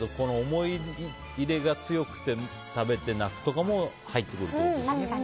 思い入れが強くて食べて泣くとかも入ってくるってことですよね。